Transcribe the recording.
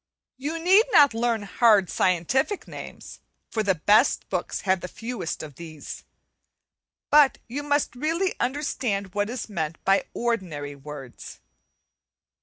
You need not learn hard scientific names, for the best books have the fewest of these, but you must really understand what is meant by ordinary words.